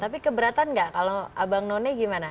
tapi keberatan nggak kalau abang none gimana